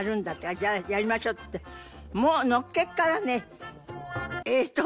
「じゃあやりましょう」って言ってもうのっけからね。